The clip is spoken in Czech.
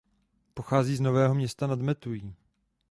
Pochází z Nového Města nad Metují.